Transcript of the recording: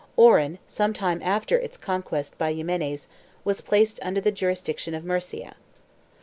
Oran, some time after its conquest by Ximenes, was placed under the jurisdiction of Murcia.